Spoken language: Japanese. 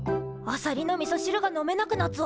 あさりのみそしるが飲めなくなっぞ！